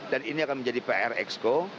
dan ini akan menjadi pr exco